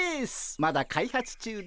まだ開発中ですが。